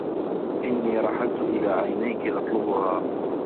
إنّي رحلتُ إلى عينيكِ أطلبها